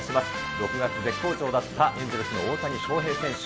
６月絶好調だったエンゼルスの大谷翔平選手。